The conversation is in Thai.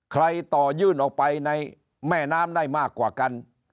ต่อยื่นออกไปในแม่น้ำได้มากกว่ากัน